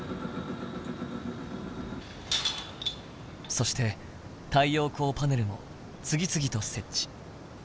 そして太陽光パネルも次々と設置。